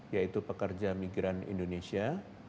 yaitu pekerja migran indonesia